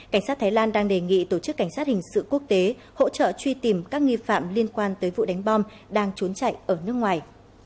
cảnh sát thái lan đang đề nghị tổ chức cảnh sát hình sự quốc tế hỗ trợ truy tìm các nghi phạm liên quan tới vụ đánh bom đang trốn chạy ở nước ngoài